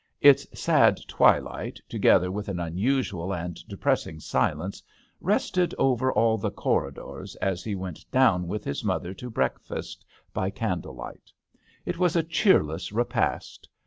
Its sad twilight, together with an unusual and depressing silence, rested over all the corri dors as he went down with his mother to breakfast by candle light. It was a cheerless repast.